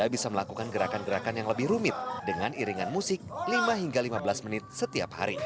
bisa melakukan gerakan gerakan yang lebih rumit dengan iringan musik lima hingga lima belas menit setiap hari